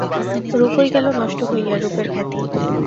রূপই গেল নষ্ট হইয়া, রূপের খ্যাতি!